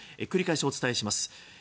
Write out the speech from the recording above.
繰り返しお伝えします。